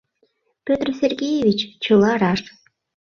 Пӧтр Сергеевич, чыла раш.